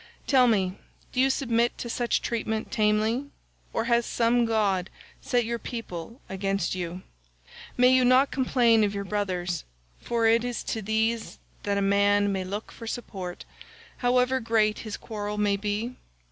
Tell me, do you submit to such treatment tamely, or has some god set your people against you? May you not complain of your brothers—for it is to these that a man may look for support, however great his quarrel may be?